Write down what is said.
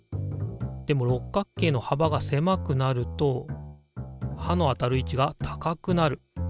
でも六角形のはばがせまくなるとはの当たる位置が高くなる。